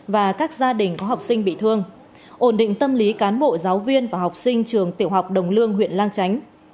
và các gia đình có học sinh bị thương ổn định tâm lý cán bộ giáo viên và học sinh trường tiểu học đồng lương huyện lang chánh